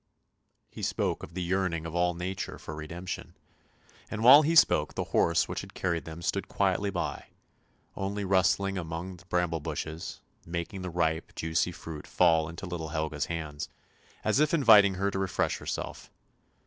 He spoke of the yearning of all nature for redemption, and while he spoke the horse which had carried them stood quietly by, only rustling among the bramble bushes, making the ripe, juicy fruit fall into little Helga's hands, as if inviting her to refresh herself.